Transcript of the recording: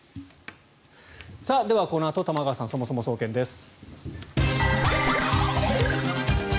では、このあと玉川さん、そもそも総研です。